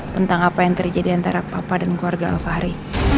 tentang apa yang terjadi antara papa dan keluarga alfahri